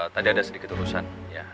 tadi ada sedikit urusan